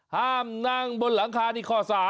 ห้ามนั่งบนหลังคานี่ข้อ๓